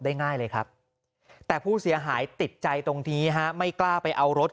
ง่ายเลยครับแต่ผู้เสียหายติดใจตรงนี้ฮะไม่กล้าไปเอารถ